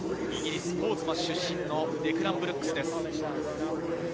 イギリス・ポーツマス出身のデクラン・ブルックスです。